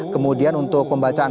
kemudian untuk pembacaan